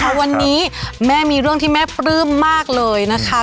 วันนี้แม่มีเรื่องที่แม่ปลื้มมากเลยนะคะ